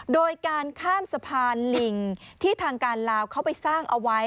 โดยการข้ามสะพานลิงที่ทางการลาวเขาไปสร้างเอาไว้